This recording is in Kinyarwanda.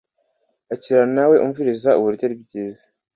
Akiranawe umviriza uburyo ari byiza